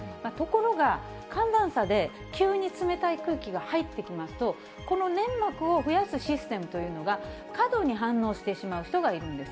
ところが、寒暖差で急に冷たい空気が入ってきますと、この粘膜を増やすシステムというのが、過度に反応してしまう人がいるんです。